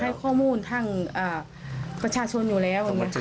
ให้ข้อมูลทางประชาชนอยู่แล้วอย่างนี้